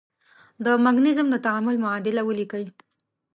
د مګنیزیم د تعامل معادله ولیکئ.